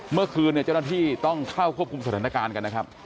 เมื่อคืนเนี่ยเจ้าหน้าที่ต้องเข้าควบคุมสถานการณ์กันนะครับ